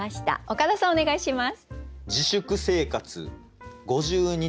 岡田さんお願いします。